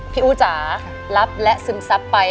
อู๋จ๋ารับและซึมซับไป